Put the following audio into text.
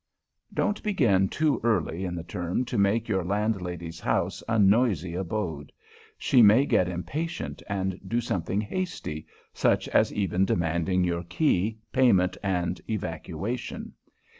[Sidenote: HER RIGHTS] Don't begin too early in the term to make your Landlady's house a noisy abode. She may get impatient and do something hasty, such as even demanding your key, payment and evacuation.